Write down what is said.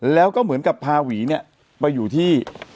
แล้วก็เหมือนกับพาหวีเนี่ยไปอยู่ที่